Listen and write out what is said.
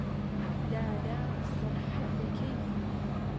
لالە سەرحەد بە کەیفی بوو.